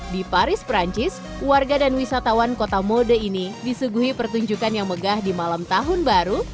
di paris perancis warga dan wisatawan kota mode ini disuguhi pertunjukan yang megah di malam tahun baru